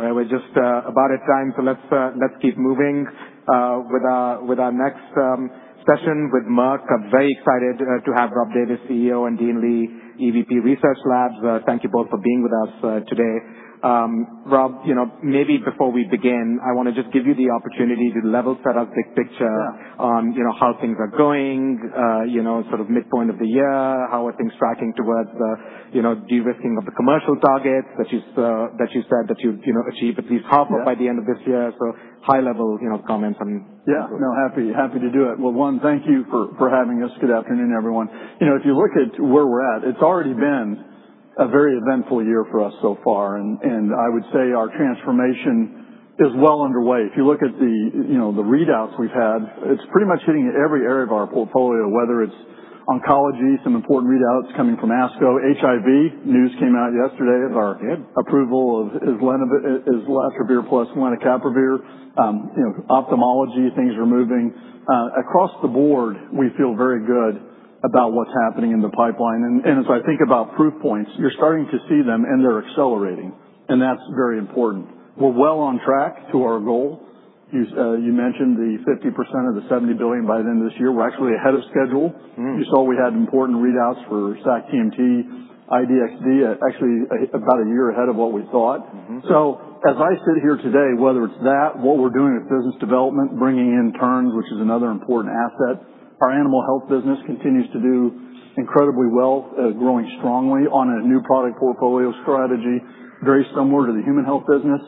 All right. We're just about at time, let's keep moving with our next session with Merck. I'm very excited to have Rob Davis, CEO, and Dean Li, EVP Research Labs. Thank you both for being with us today. Rob, maybe before we begin, I want to just give you the opportunity to level set us, big picture on how things are going, sort of midpoint of the year, how are things tracking towards de-risking of the commercial targets that you said that you achieve at least half of by the end of this year. High level comments from you. Yeah, no, happy to do it. Well, one, thank you for having us. Good afternoon, everyone. If you look at where we're at, it's already been a very eventful year for us so far, I would say our transformation is well underway. If you look at the readouts we've had, it's pretty much hitting every area of our portfolio, whether it's oncology, some important readouts coming from ASCO. HIV news came out yesterday of our approval of islatravir plus lenacapavir. Ophthalmology, things are moving. Across the board, we feel very good about what's happening in the pipeline. As I think about proof points, you're starting to see them and they're accelerating. That's very important. We're well on track to our goal. You mentioned the 50% of the $70 billion by the end of this year. We're actually ahead of schedule. You saw we had important readouts for sac-TMT, IDVYNSO, actually about a year ahead of what we thought. As I sit here today, whether it's that, what we're doing at business development, bringing in Terns, which is another important asset. Our animal health business continues to do incredibly well, growing strongly on a new product portfolio strategy, very similar to the human health business.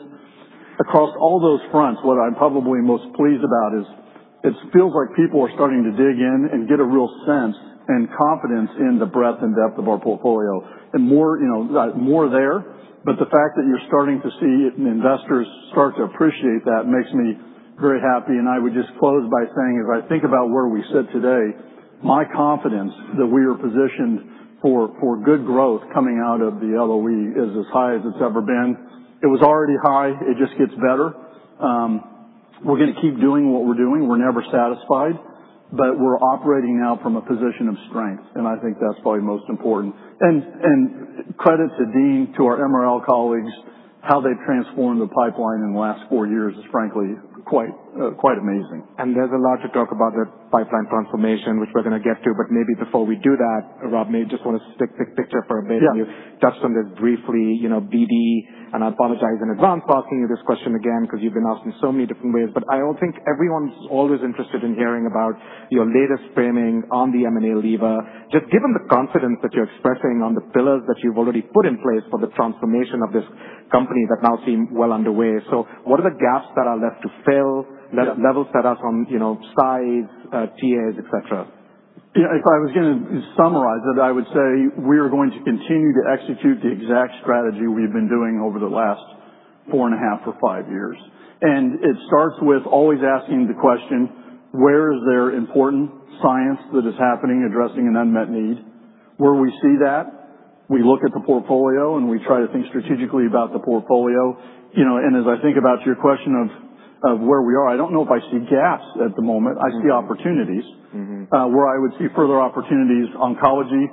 Across all those fronts, what I'm probably most pleased about is it feels like people are starting to dig in and get a real sense and confidence in the breadth and depth of our portfolio. More there, but the fact that you're starting to see investors start to appreciate that makes me very happy, I would just close by saying, as I think about where we sit today, my confidence that we are positioned for good growth coming out of the LOE is as high as it's ever been. It was already high. It just gets better. We're going to keep doing what we're doing. We're never satisfied, but we're operating now from a position of strength, and I think that's probably most important. Credit to Dean, to our MRL colleagues, how they've transformed the pipeline in the last four years is frankly quite amazing. There's a lot to talk about the pipeline transformation, which we're going to get to, but maybe before we do that, Rob, maybe just want to stick big picture for a bit. You've touched on this briefly, BD, and I apologize in advance for asking you this question again because you've been asking so many different ways, but I don't think everyone's always interested in hearing about your latest framing on the M&A lever. Just given the confidence that you're expressing on the pillars that you've already put in place for the transformation of this company that now seem well underway. What are the gaps that are left to fill? Level set us on size, TAs, et cetera. Yeah. If I was going to summarize it, I would say we are going to continue to execute the exact strategy we've been doing over the last four and a half or five years. It starts with always asking the question, "Where is there important science that is happening addressing an unmet need?" Where we see that, we look at the portfolio, and we try to think strategically about the portfolio. As I think about your question of where we are, I don't know if I see gaps at the moment. I see opportunities. Where I would see further opportunities, oncology.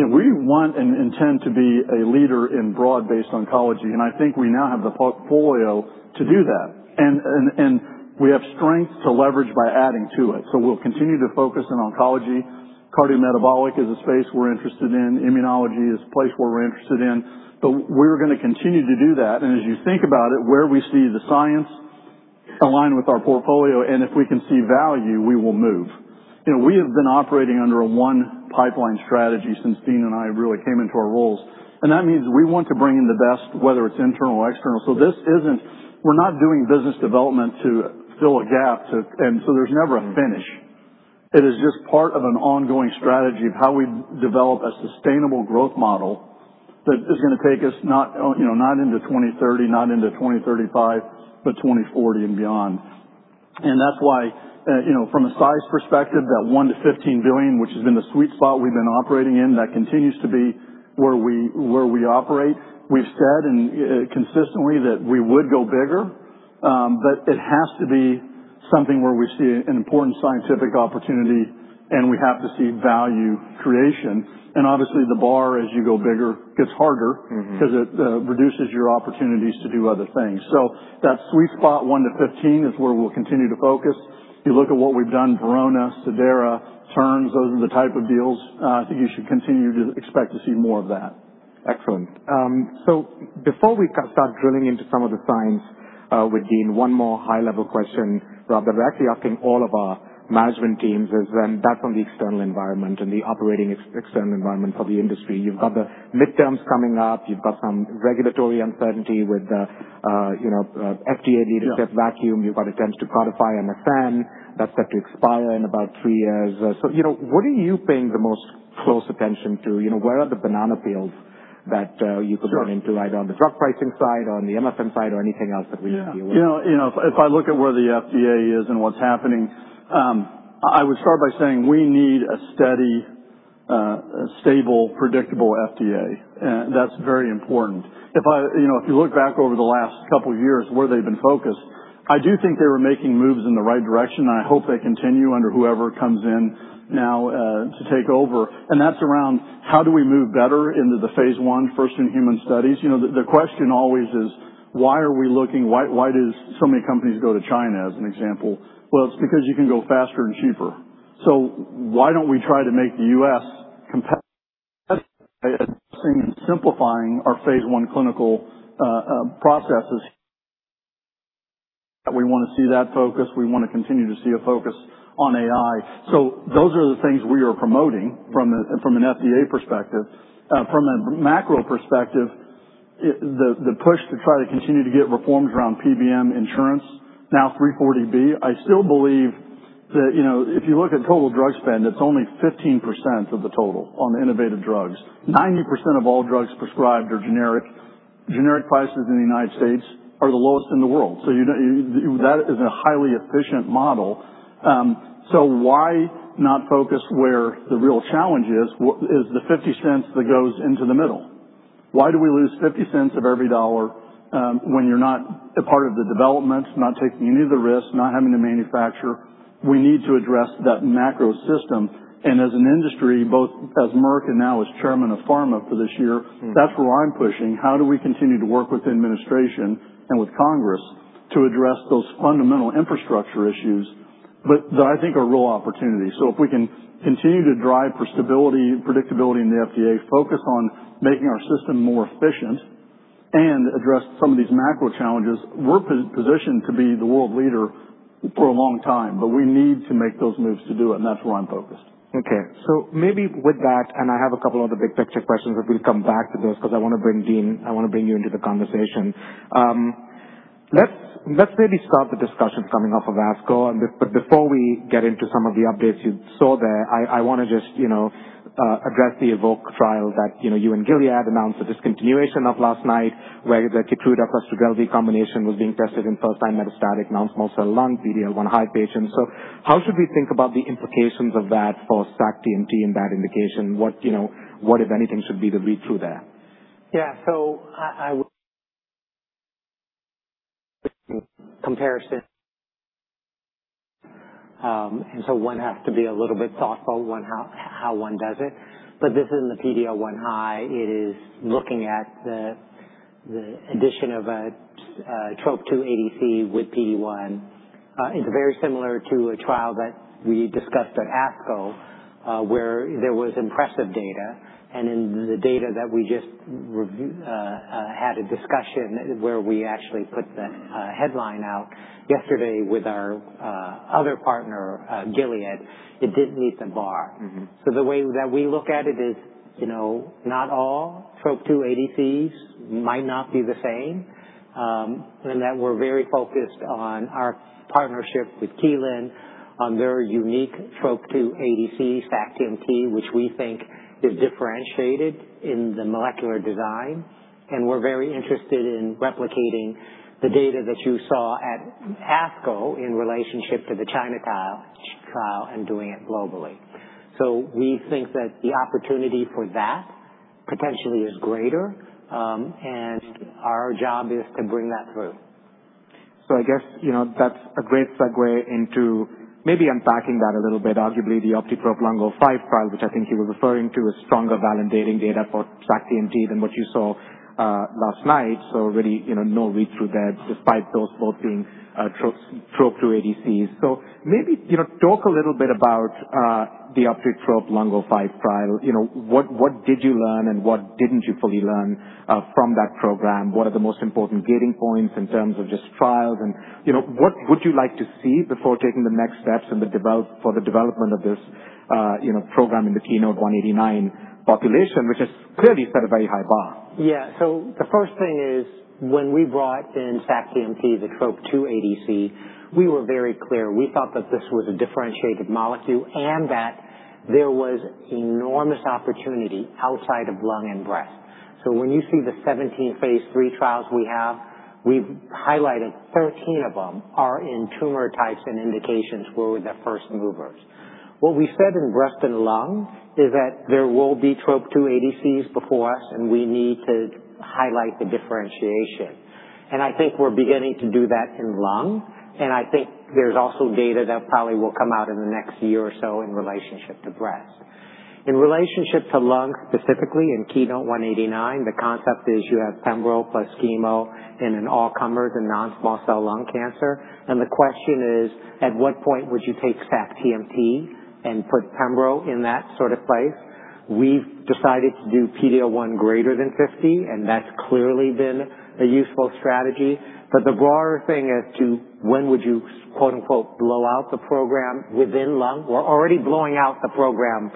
We want and intend to be a leader in broad-based oncology, and I think we now have the portfolio to do that. We have strength to leverage by adding to it. We'll continue to focus on oncology. Cardiometabolic is a space we're interested in. Immunology is a place where we're interested in, but we're going to continue to do that. As you think about it, where we see the science align with our portfolio, and if we can see value, we will move. We have been operating under a one pipeline strategy since Dean and I really came into our roles, and that means we want to bring in the best, whether it's internal or external. We're not doing business development to fill a gap, and so there's never a finish. It is just part of an ongoing strategy of how we develop a sustainable growth model that is going to take us not into 2030, not into 2035, but 2040 and beyond. That's why, from a size perspective, that $1 billion-$15 billion, which has been the sweet spot we've been operating in, that continues to be where we operate. We've said and consistently that we would go bigger. It has to be something where we see an important scientific opportunity, and we have to see value creation. Obviously the bar as you go bigger, gets harder. Because it reduces your opportunities to do other things. That sweet spot $1 billion-$15 billion is where we'll continue to focus. If you look at what we've done, Verona, Cidara, Terns, those are the type of deals. I think you should continue to expect to see more of that. Excellent. Before we start drilling into some of the science, with Dean, one more high level question, Rob, that we're actually asking all of our management teams is back on the external environment and the operating external environment for the industry. You've got the midterms coming up. You've got some regulatory uncertainty with FDA leadership vacuum. You've got attempts to codify MFN that's set to expire in about three years. What are you paying the most close attention to? Where are the banana peels that you could run into? Either on the drug pricing side, on the MFN side, or anything else that we should be aware of? Yeah. If I look at where the FDA is and what's happening, I would start by saying we need a steady, stable, predictable FDA. That's very important. If you look back over the last couple of years where they've been focused, I do think they were making moves in the right direction. I hope they continue under whoever comes in now to take over. That's around how do we move better into the phase I, first in human studies. The question always is, why are we looking? Why does so many companies go to China, as an example? It's because you can go faster and cheaper. Why don't we try to make the U.S. competitive by addressing and simplifying our phase I clinical processes? We want to see that focus. We want to continue to see a focus on AI. Those are the things we are promoting from an FDA perspective. From a macro perspective, the push to try to continue to get reforms around PBM insurance, now 340B. I still believe that if you look at total drug spend, it's only 15% of the total on innovative drugs. 90% of all drugs prescribed are generic. Generic prices in the United States are the lowest in the world. That is a highly efficient model. Why not focus where the real challenge is the $0.50 that goes into the middle. Why do we lose $0.50 of every dollar when you're not a part of the development, not taking any of the risk, not having to manufacture? We need to address that macro system, and as an industry, both as Merck and now as chairman of PhRMA for this year, that's where I'm pushing. How do we continue to work with the administration and with Congress to address those fundamental infrastructure issues, but that I think are real opportunities. If we can continue to drive for stability and predictability in the FDA, focus on making our system more efficient, and address some of these macro challenges, we're positioned to be the world leader for a long time. We need to make those moves to do it, and that's where I'm focused. Okay. Maybe with that, and I have a couple other big picture questions if we come back to those, because I want to bring Dean. I want to bring you into the conversation. Let's maybe start the discussion coming off of ASCO. Before we get into some of the updates you saw there, I want to just address the EVOKE trial that you and Gilead announced the discontinuation of last night, where the KEYTRUDA plus Trodelvy combination was being tested in first time metastatic non-small cell lung PD-L1 high patients. How should we think about the implications of that for sac-TMT in that indication? What, if anything, should be the read-through there? Yeah. I would comparison. One has to be a little bit thoughtful how one does it. This is in the PD-L1 high. It is looking at the addition of a TROP-2 ADC with PD-1. It's very similar to a trial that we discussed at ASCO, where there was impressive data. In the data that we just had a discussion where we actually put the headline out yesterday with our other partner, Gilead, it didn't meet the bar. The way that we look at it is, not all TROP-2 ADCs might not be the same, and that we're very focused on our partnership with Kelun on their unique TROP-2 ADC sac-TMT, which we think is differentiated in the molecular design. We're very interested in replicating the data that you saw at ASCO in relationship to the China trial and doing it globally. We think that the opportunity for that potentially is greater, and our job is to bring that through. I guess that's a great segue into maybe unpacking that a little bit. Arguably, the OptiTROP-Lung05 trial, which I think you were referring to, is stronger validating data for sac-TMT than what you saw last night. Really, no read through that despite those both being TROP-2 ADCs. Maybe talk a little bit about the OptiTROP-Lung05 trial. What did you learn and what didn't you fully learn from that program? What are the most important gating points in terms of just trials and what would you like to see before taking the next steps for the development of this program in the KEYNOTE-189 population, which has clearly set a very high bar. Yeah. The first thing is, when we brought in sac-TMT, the TROP-2 ADC, we were very clear. We thought that this was a differentiated molecule and that there was enormous opportunity outside of lung and breast. When you see the 17 phase III trials we have, we've highlighted 13 of them are in tumor types and indications where we're the first movers. What we said in breast and lung is that there will be TROP-2 ADCs before us, and we need to highlight the differentiation. I think we're beginning to do that in lung, and I think there's also data that probably will come out in the next year or so in relationship to breast. In relationship to lung, specifically in KEYNOTE-189, the concept is you have pembro plus chemo in an all-comers in non-small cell lung cancer. The question is, at what point would you take sac-TMT and put pembro in that sort of place? We've decided to do PD-L1 greater than 50%, and that's clearly been a useful strategy. The broader thing as to when would you, quote unquote, "blow out" the program within lung. We're already blowing out the program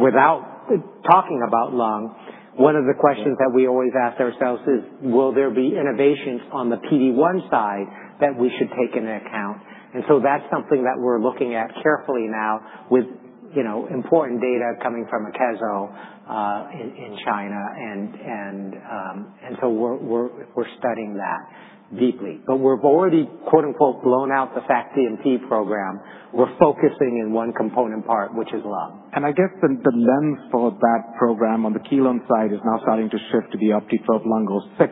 without talking about lung. One of the questions that we always ask ourselves is, will there be innovations on the PD-1 side that we should take into account? That's something that we're looking at carefully now with important data coming from Akeso in China. We're studying that deeply. We've already, quote unquote, "blown out" the sac-TMT program. We're focusing in one component part, which is lung. I guess the lens for that program on the Kelun side is now starting to shift to the OptiTROP-Lung06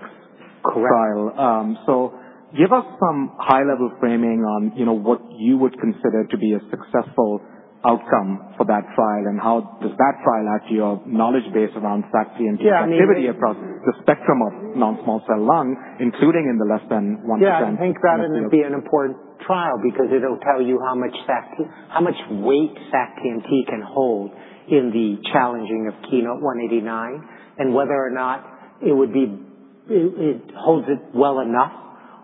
Trial. Give us some high-level framing on what you would consider to be a successful outcome for that trial, and how does that trial add to your knowledge base around sac-TMT's- Yeah, I mean- Activity across the spectrum of non-small cell lung, including in the less than 1% I think that'll be an important trial because it'll tell you how much weight sac-TMT can hold in the challenging of KEYNOTE-189, and whether or not it holds it well enough,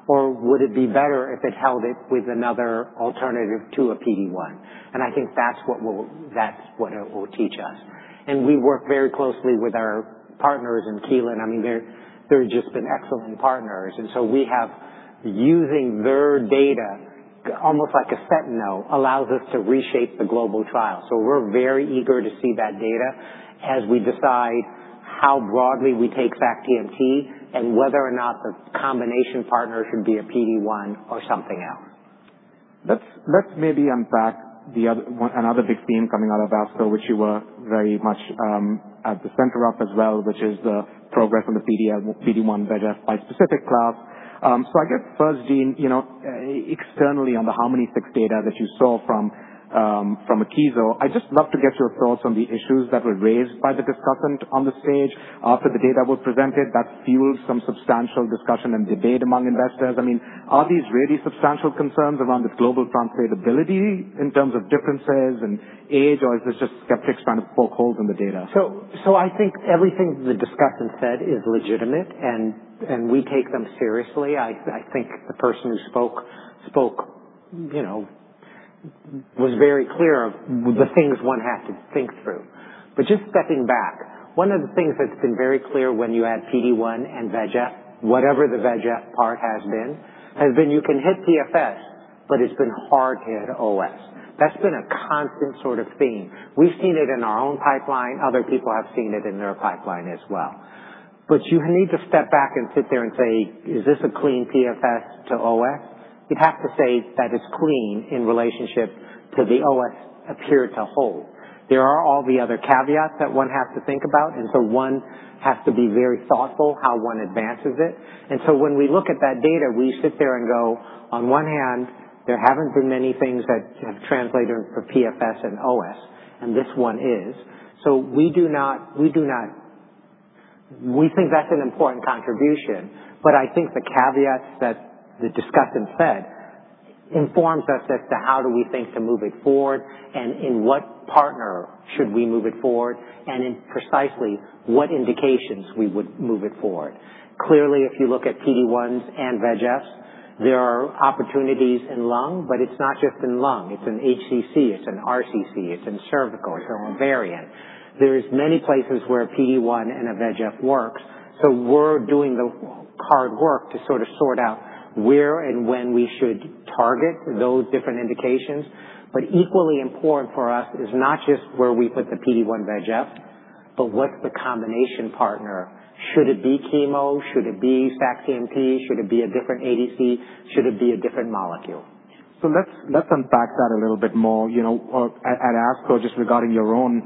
or would it be better if it held it with another alternative to a PD-1? I think that's what it will teach us. We work very closely with our partners in Kelun. I mean, they've just been excellent partners. We have, using their data, almost like a set now, allows us to reshape the global trial. We're very eager to see that data as we decide how broadly we take sac-TMT and whether or not the combination partner should be a PD-1 or something else. Let's maybe unpack another big theme coming out of ASCO, which you were very much at the center of as well, which is the progress on the PD-1/VEGF bispecific class. I guess first, Dean, externally on the HARMONi-6 data that you saw from Akeso, I'd just love to get your thoughts on the issues that were raised by the discussant on the stage after the data was presented that fueled some substantial discussion and debate among investors. I mean, are these really substantial concerns around its global translatability in terms of differences and age, or is this just skeptics kind of poke holes in the data? I think everything the discussant said is legitimate, and we take them seriously. I think the person who spoke was very clear of the things one has to think through. Just stepping back, one of the things that's been very clear when you add PD-1 and VEGF, whatever the VEGF part has been, has been you can hit PFS, but it's been hard hit OS. That's been a constant sort of theme. We've seen it in our own pipeline. Other people have seen it in their pipeline as well. You need to step back and sit there and say, "Is this a clean PFS to OS?" You have to say that it's clean in relationship to the OS appeared to hold. There are all the other caveats that one has to think about, and so one has to be very thoughtful how one advances it. When we look at that data, we sit there and go, on one hand, there haven't been many things that have translated for PFS and OS, and this one is. We think that's an important contribution, but I think the caveats that the discussant said informs us as to how do we think to move it forward and in what partner should we move it forward, and in precisely what indications we would move it forward. Clearly, if you look at PD-1s and VEGFs, there are opportunities in lung, but it's not just in lung. It's in HCC, it's in RCC, it's in cervical, it's in ovarian. There's many places where PD-1 and a VEGF works. We're doing the hard work to sort of sort out where and when we should target those different indications. Equally important for us is not just where we put the PD-1 VEGF, what's the combination partner? Should it be chemo? Should it be sac-TMT? Should it be a different ADC? Should it be a different molecule? Let's unpack that a little bit more. At ASCO, just regarding your own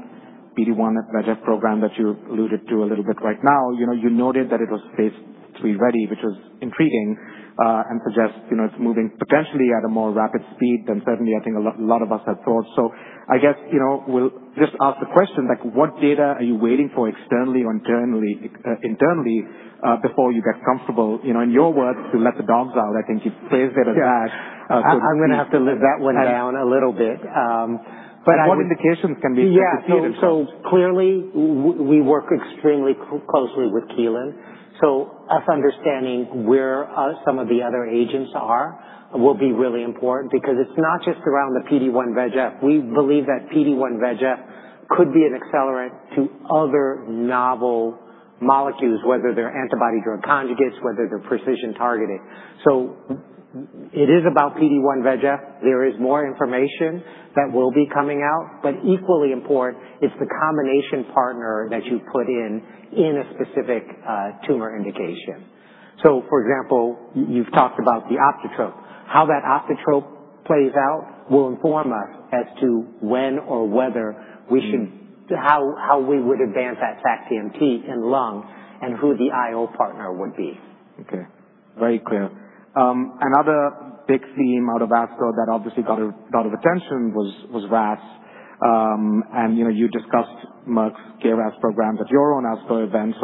PD-1 and VEGF program that you alluded to a little bit right now, you noted that it was phase III-ready, which was intriguing, and suggests it's moving potentially at a more rapid speed than certainly I think a lot of us had thought. I guess we'll just ask the question, what data are you waiting for externally or internally before you get comfortable, in your words, to let the dogs out? I think you phrased it as that. Yeah. I'm going to have to live that one down a little bit. What indications can be potentially Clearly, us understanding where some of the other agents are will be really important because it's not just around the PD-1 VEGF. We believe that PD-1 VEGF could be an accelerant to other novel molecules, whether they're antibody-drug conjugates, whether they're precision targeting. It is about PD-1 VEGF. There is more information that will be coming out, but equally important is the combination partner that you put in in a specific tumor indication. For example, you've talked about the OptiTROP. How that OptiTROP plays out will inform us as to when or whether we should how we would advance that sac-TMT in lung and who the IO partner would be. Okay. Very clear. Another big theme out of ASCO that obviously got a lot of attention was RAS. You discussed Merck's KRAS programs at your own ASCO event.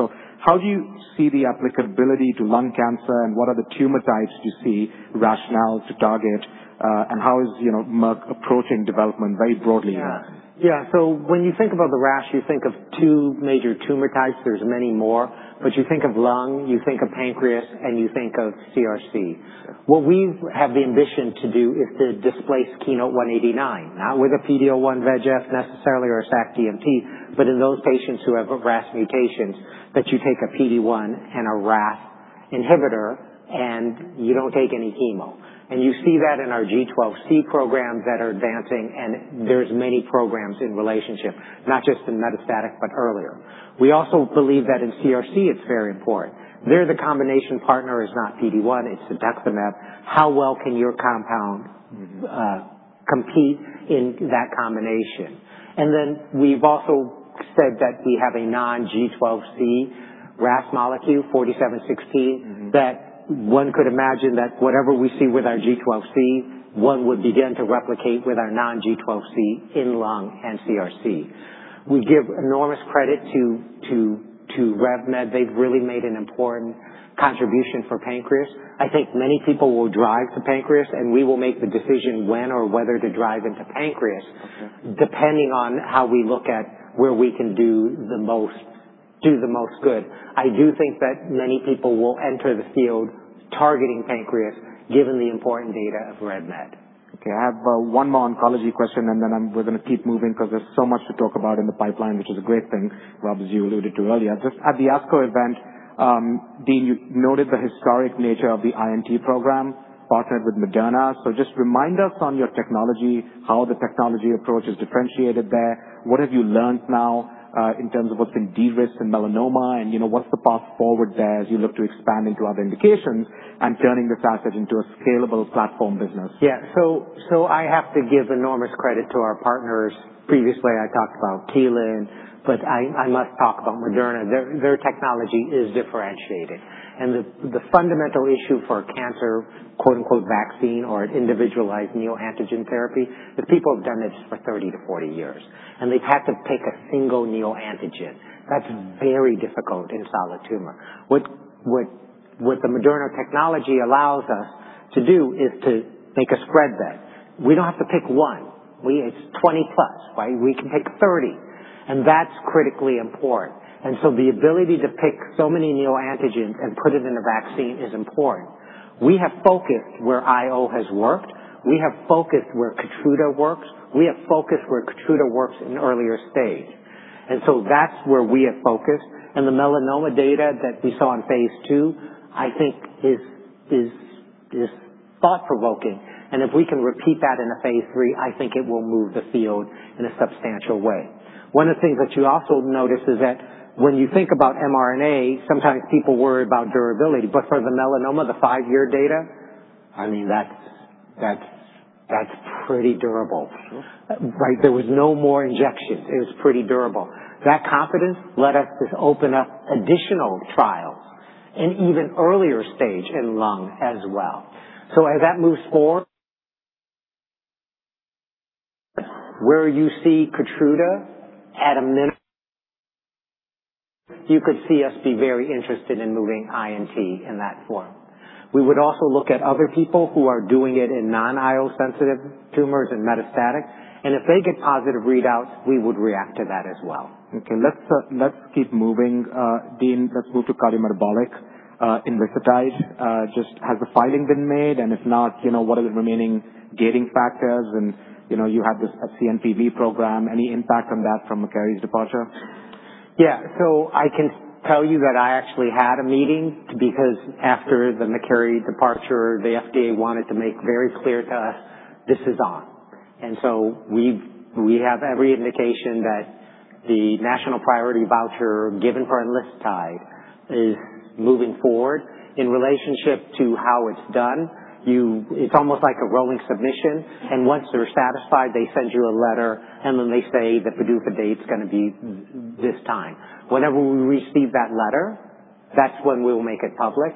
How do you see the applicability to lung cancer, and what are the tumor types you see rationale to target? How is Merck approaching development very broadly in that? When you think about the RAS, you think of two major tumor types. There's many more, but you think of lung, you think of pancreas, and you think of CRC. What we have the ambition to do is to displace KEYNOTE-189, not with a PD-L1 VEGF necessarily or a sac-TMT, but in those patients who have RAS mutations, that you take a PD-1 and a RAS inhibitor, and you don't take any chemo. You see that in our G12C programs that are advancing, and there's many programs in relationship, not just in metastatic, but earlier. We also believe that in CRC it's very important. There, the combination partner is not PD-1, it's cetuximab. How well can your compound compete in that combination? Then we've also said that we have a non-G12C RAS molecule 4716- One could imagine that whatever we see with our G12C, one would begin to replicate with our non-G12C in lung and CRC. We give enormous credit to RevMed. They've really made an important contribution for pancreas. I think many people will drive to pancreas, we will make the decision when or whether to drive into pancreas depending on how we look at where we can do the most good. I do think that many people will enter the field targeting pancreas, given the important data of RevMed. Okay. I have one more oncology question, and then we're going to keep moving because there's so much to talk about in the pipeline, which is a great thing, Rob, as you alluded to earlier. Just at the ASCO event, Dean, you noted the historic nature of the INT program partnered with Moderna. Just remind us on your technology, how the technology approach is differentiated there. What have you learned now, in terms of what's in de-risk and melanoma, and what's the path forward there as you look to expand into other indications and turning this asset into a scalable platform business? Yeah. I have to give enormous credit to our partners. Previously, I talked about Kelun, but I must talk about Moderna. Their technology is differentiated. The fundamental issue for a cancer "vaccine" or an individualized neoantigen therapy is people have done this for 30-40 years, and they've had to pick a single neoantigen. That's very difficult in solid tumor. What the Moderna technology allows us to do is to make a spread bet. We don't have to pick one. It's 20 plus. We can pick 30, and that's critically important. The ability to pick so many neoantigens and put it in a vaccine is important. We have focused where IO has worked. We have focused where KEYTRUDA works. We have focused where KEYTRUDA works in earlier stage. That's where we have focused. The melanoma data that we saw in phase II, I think is thought-provoking. If we can repeat that in a phase III, I think it will move the field in a substantial way. One of the things that you also notice is that when you think about mRNA, sometimes people worry about durability. For the melanoma, the five-year data, that's pretty durable. There was no more injections. It was pretty durable. That confidence let us just open up additional trials in even earlier stage in lung as well. As that moves forward, where you see KEYTRUDA at a minimum, you could see us be very interested in moving V940 in that form. We would also look at other people who are doing it in non-IO-sensitive tumors and metastatic. If they get positive readouts, we would react to that as well. Okay. Let's keep moving. Dean, let's move to cardiometabolic, in ticagrelor. Just has the filing been made, and if not, what are the remaining gating factors? You have this CNPV program. Any impact on that from Makary's departure? Yeah. I can tell you that I actually had a meeting because after the Makary departure, the FDA wanted to make very clear to us this is on. We have every indication that the national priority voucher given for enlicitide is moving forward. In relationship to how it's done, it's almost like a rolling submission, and once they're satisfied, they send you a letter, and then they say the PDUFA date's going to be this time. Whenever we receive that letter, that's when we'll make it public.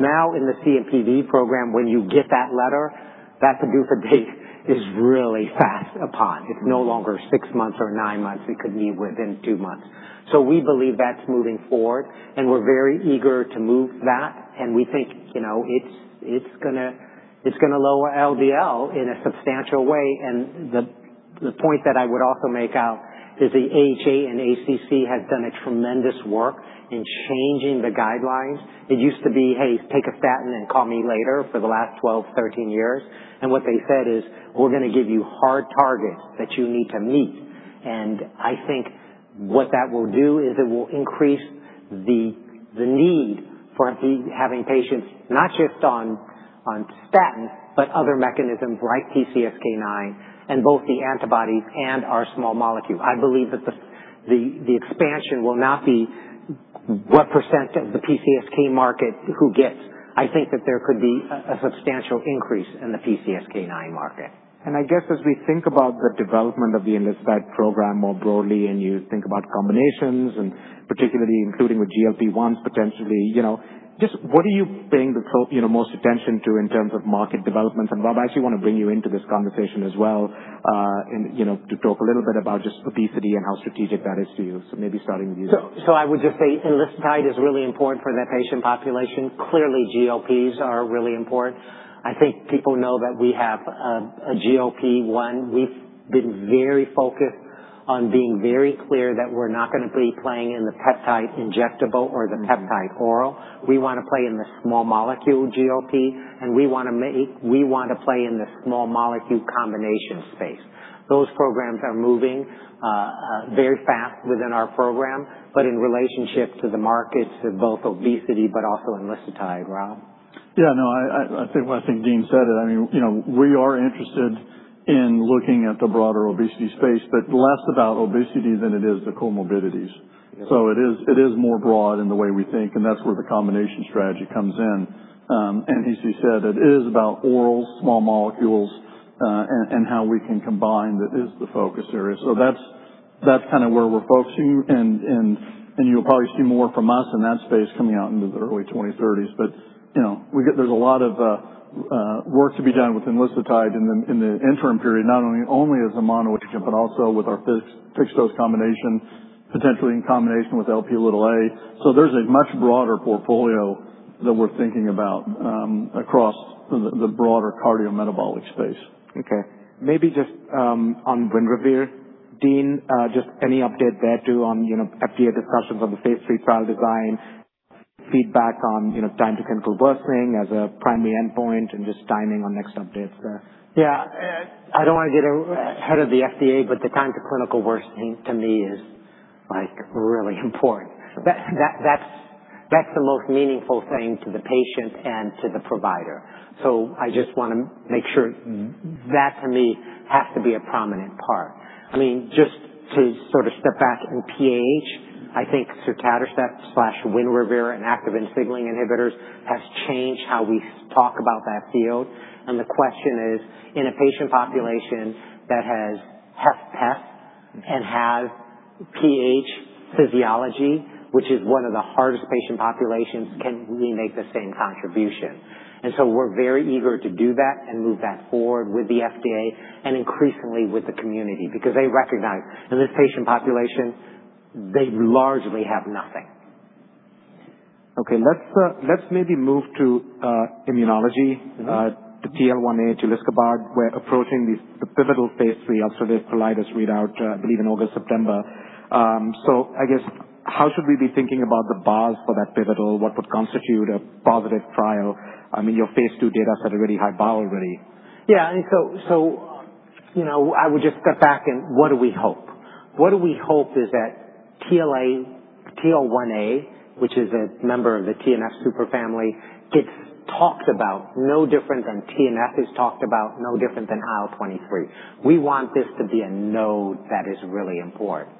Now in the CNPV program, when you get that letter, that PDUFA date is really fast upon. It's no longer six months or nine months. It could mean within two months. We believe that's moving forward, and we're very eager to move that, and we think it's going to lower LDL in a substantial way. The point that I would also make out is the AHA and ACC have done a tremendous work in changing the guidelines. It used to be, "Hey, take a statin and call me later" for the last 12, 13 years. What they said is, "We're going to give you hard targets that you need to meet." I think what that will do is it will increase the need for having patients not just on statin, but other mechanisms like PCSK9 and both the antibodies and our small molecule. I believe that the expansion will not be what percent of the PCSK9 market who gets. I think that there could be a substantial increase in the PCSK9 market. I guess as we think about the development of the enlicitide program more broadly and you think about combinations and particularly including with GLP-1s potentially. Just what are you paying the most attention to in terms of market developments? Rob, I actually want to bring you into this conversation as well, to talk a little bit about just obesity and how strategic that is to you. Maybe starting with you. I would just say enlicitide is really important for that patient population. Clearly, GLPs are really important. I think people know that we have a GLP-1. We've been very focused on being very clear that we're not going to be playing in the peptide injectable or the peptide oral. We want to play in the small molecule GLP, and we want to play in the small molecule combination space. Those programs are moving very fast within our program, but in relationship to the markets of both obesity but also enlicitide. Rob? I think Dean said it. We are interested in looking at the broader obesity space, but less about obesity than it is the comorbidities. So it is more broad in the way we think, and that's where the combination strategy comes in. As you said, it is about oral small molecules and how we can combine that is the focus area. That's where we're focusing, and you'll probably see more from us in that space coming out into the early 2030s. There's a lot of work to be done with enlicitide in the interim period, not only as a mono-agent, but also with our fixed-dose combination, potentially in combination with Lp(a). There's a much broader portfolio that we're thinking about across the broader cardiometabolic space. Maybe just on WINREVAIR, Dean, just any update there too on FDA discussions on the phase III trial design, feedback on time to clinical worsening as a primary endpoint, and just timing on next updates there. Yeah. I don't want to get ahead of the FDA. The time to clinical worsening to me is really important. That's the most meaningful thing to the patient and to the provider. I just want to make sure that, for me, has to be a prominent part. Just to sort of step back in PH, I think sotatercept/WINREVAIR and activin signaling inhibitors has changed how we talk about that field. The question is, in a patient population that has HFpEF and has PH physiology, which is one of the hardest patient populations, can we make the same contribution? We're very eager to do that and move that forward with the FDA and increasingly with the community, because they recognize in this patient population, they largely have nothing. Okay, let's maybe move to immunology. The TL1A, tulisokibart. We're approaching the pivotal phase III ulcerative colitis readout, I believe, in August, September. I guess how should we be thinking about the bars for that pivotal? What would constitute a positive trial? Your phase II data set a really high bar already. Yeah. I would just step back and what do we hope? What do we hope is that TL1A, which is a member of the TNF super family, gets talked about no different than TNF is talked about, no different than IL-23. We want this to be a node that is really important.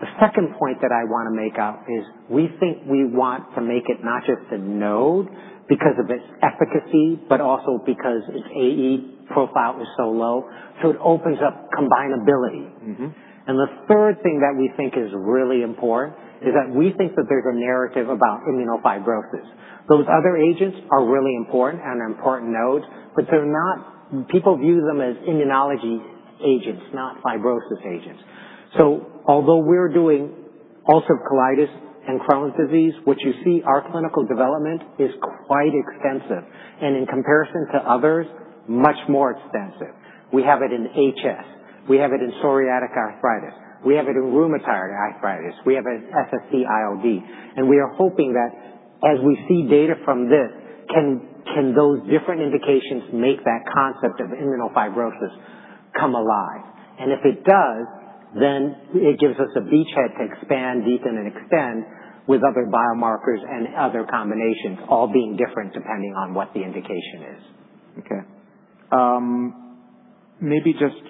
The second point that I want to make up is we think we want to make it not just a node because of its efficacy, but also because its AE profile is so low, so it opens up combinability. The third thing that we think is really important is that we think that there's a narrative about immunofibrosis. Those other agents are really important and are important nodes, but people view them as immunology agents, not fibrosis agents. Although we're doing ulcerative colitis and Crohn's disease, what you see, our clinical development is quite extensive and in comparison to others, much more extensive. We have it in HS. We have it in psoriatic arthritis. We have it in rheumatoid arthritis. We have it in SSc-ILD. We are hoping that as we see data from this, can those different indications make that concept of immunofibrosis come alive? If it does, then it gives us a beachhead to expand, deepen, and extend with other biomarkers and other combinations, all being different depending on what the indication is. Okay. Maybe just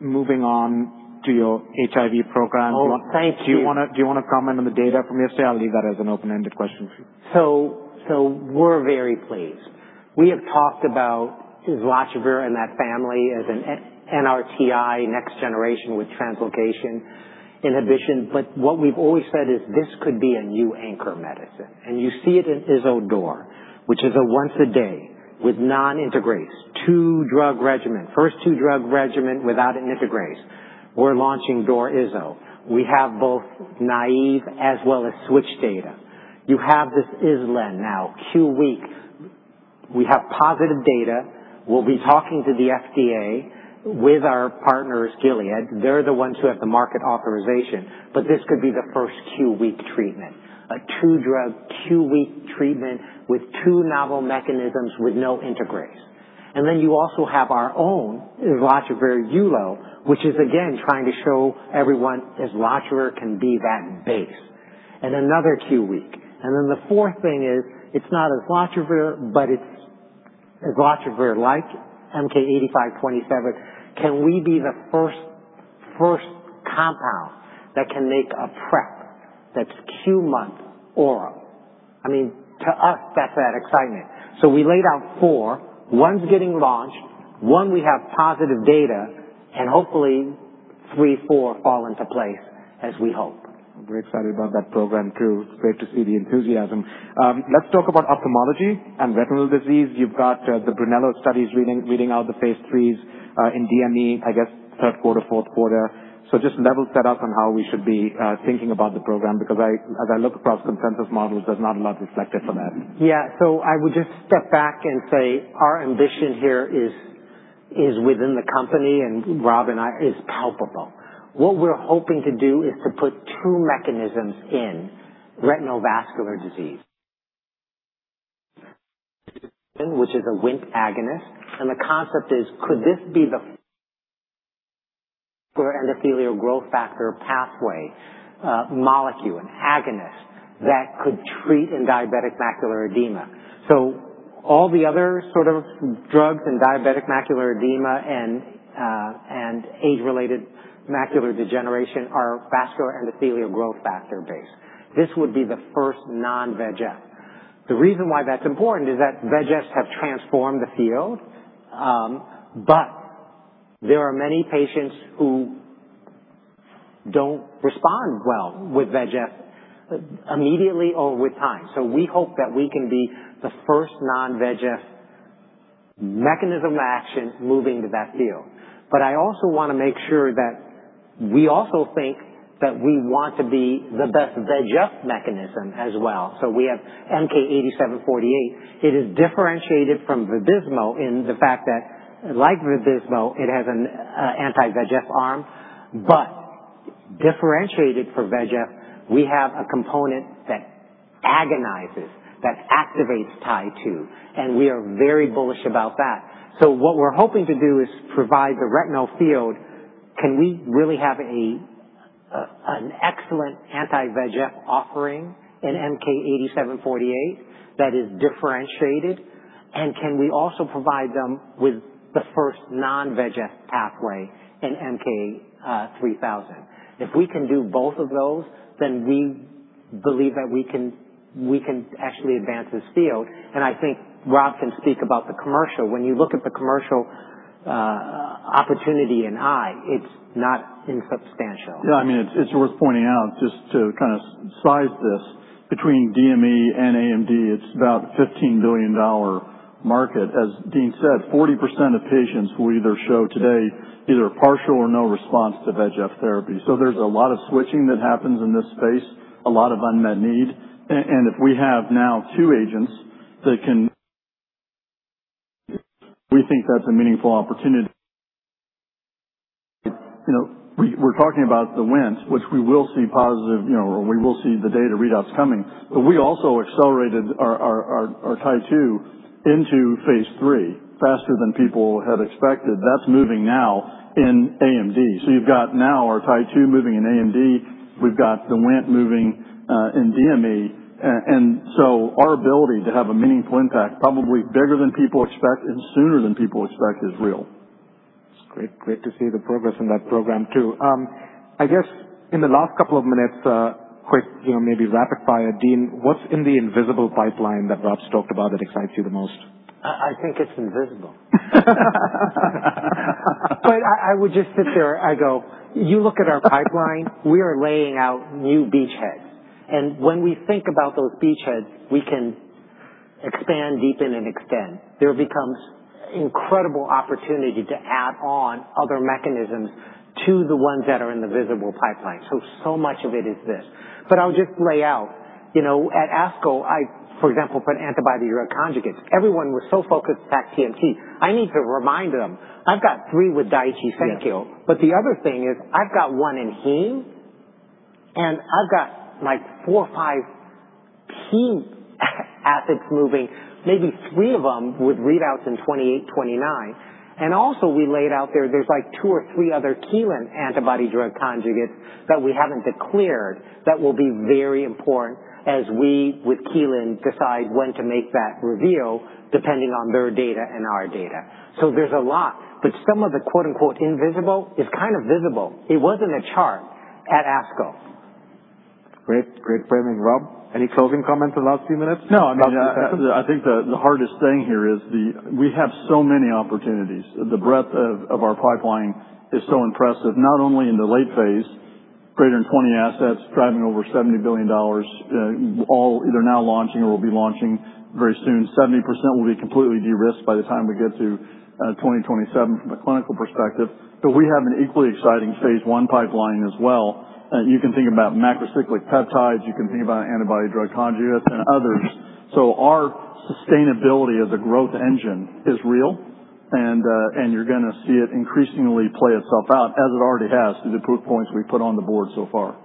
moving on to your HIV program. Thank you. Do you want to comment on the data from yesterday? I'll leave that as an open-ended question for you. We're very pleased. We have talked about islatravir and that family as an NRTTI next generation with translocation inhibition. What we've always said is this could be a new anchor medicine. You see it in Iso/Dor, which is a once-a-day with non-integrase, two-drug regimen. First two-drug regimen without an integrase. We're launching Dor/Iso. We have both naive as well as switch data. You have this Islen now, q week. We have positive data. We'll be talking to the FDA with our partners, Gilead. This could be the first q week treatment. A two-drug q week treatment with two novel mechanisms with no integrase. You also have our own islatravir, ulonivirine, which is, again, trying to show everyone islatravir can be that base. Another q week. The fourth thing is it's not islatravir, but it's islatravir-like, MK-8527. Can we be the first compound that can make a PrEP that's q month oral? To us, that's that excitement. We laid out four. One's getting launched. One we have positive data. Hopefully three, four fall into place as we hope. I'm very excited about that program, too. Great to see the enthusiasm. Let's talk about ophthalmology and retinal disease. You've got the BRUNELLO studies reading out the phase IIIs in DME, I guess third quarter, fourth quarter. Just level set us on how we should be thinking about the program, because as I look across consensus models, there's not a lot reflected for that. I would just step back and say our ambition here is within the company, and Rob and I, is palpable. What we're hoping to do is to put two mechanisms in retinal vascular disease. Which is a Wnt agonist, and the concept is, could this be the for endothelial growth factor pathway molecule, an agonist that could treat in diabetic macular edema? All the other sort of drugs in diabetic macular edema and age-related macular degeneration are vascular endothelial growth factor-based. This would be the first non-VEGF. The reason why that's important is that VEGFs have transformed the field, but there are many patients who don't respond well with VEGF immediately or with time. We hope that we can be the first non-VEGF mechanism of action moving to that field. I also want to make sure that we also think that we want to be the best VEGF mechanism as well. We have MK-8748. It is differentiated from Vabysmo in the fact that, like Vabysmo, it has an anti-VEGF arm. Differentiated for VEGF, we have a component that agonizes, that activates TYRO3, and we are very bullish about that. What we're hoping to do is provide the retinal field. Can we really have an excellent anti-VEGF offering in MK-8748 that is differentiated, and can we also provide them with the first non-VEGF pathway in MK-3000? If we can do both of those, we believe that we can actually advance this field, and I think Rob can speak about the commercial. When you look at the commercial opportunity in eye, it's not insubstantial. It's worth pointing out just to size this. Between DME and AMD, it's about a $15 billion market. As Dean said, 40% of patients will either show today either partial or no response to VEGF therapy. There's a lot of switching that happens in this space, a lot of unmet need. We think that's a meaningful opportunity. We're talking about the Wnt, which we will see positive, or we will see the data readouts coming. We also accelerated our TROP2 into phase III faster than people had expected. That's moving now in AMD. You've got now our TROP2 moving in AMD. We've got the Wnt moving in DME. Our ability to have a meaningful impact, probably bigger than people expect and sooner than people expect, is real. It's great to see the progress in that program, too. I guess in the last couple of minutes, quick, maybe rapid-fire, Dean, what's in the invisible pipeline that Rob's talked about that excites you the most? I think it's invisible. I would just sit there. I go, "You look at our pipeline. We are laying out new beachheads." When we think about those beachheads, we can expand, deepen, and extend. There becomes incredible opportunity to add on other mechanisms to the ones that are in the visible pipeline. So much of it is this. I'll just lay out. At ASCO, for example, for an antibody or a conjugate, everyone was so focused at ADC. I need to remind them, I've got three with Daiichi Sankyo. The other thing is, I've got one in heme, and I've got four or five key assets moving, maybe three of them with readouts in 2028, 2029. Also, we laid out there's two or three other Kelun antibody-drug conjugates that we haven't declared that will be very important as we, with Kelun, decide when to make that reveal, depending on their data and our data. There's a lot, but some of the "invisible" is kind of visible. It was in a chart at ASCO. Great framing. Rob, any closing comments the last few minutes? No. I think the hardest thing here is we have so many opportunities. The breadth of our pipeline is so impressive, not only in the late phase, greater than 20 assets driving over $70 billion, all either now launching or will be launching very soon. 70% will be completely de-risked by the time we get to 2027 from a clinical perspective. We have an equally exciting phase I pipeline as well. You can think about macrocyclic peptides, you can think about antibody-drug conjugates and others. Our sustainability as a growth engine is real, and you're going to see it increasingly play itself out, as it already has through the proof points we put on the board so far.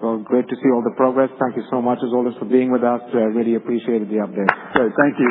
Well, great to see all the progress. Thank you so much, as always, for being with us. I really appreciated the update. Great. Thank you.